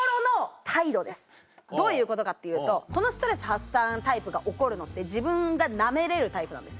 どういうことかっていうとこのストレス発散タイプが怒るのって自分がナメれるタイプなんです。